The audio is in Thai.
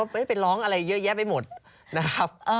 ไม่ไปร้องอะไรเยอะแยะไปหมดนะครับ